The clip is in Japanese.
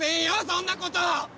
そんなこと！